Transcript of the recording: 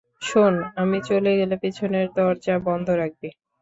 শোন, আমি চলে গেলে, পেছনের দরজা বন্ধ রাখবি।